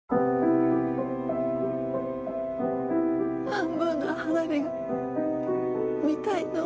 半分の花火が見たいの。